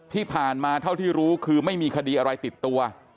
ที่ผ่านมาเท่าที่รู้คือไม่มีคดีอะไรติดตัว